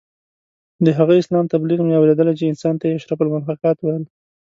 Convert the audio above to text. د هغه اسلام تبلیغ مې اورېدلی چې انسان ته یې اشرف المخلوقات ویل.